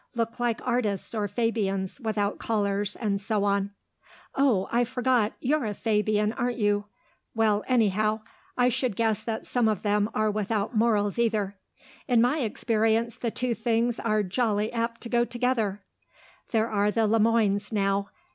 Look like artists, or Fabians, without collars, and so on.... Oh, I forgot you're a Fabian, aren't you?... Well, anyhow, I should guess that some of them are without morals either; in my experience the two things are jolly apt to go together. There are the Le Moines, now.